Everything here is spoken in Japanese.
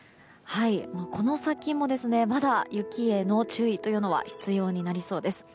この先もまだ雪への注意というのは必要になりそうです。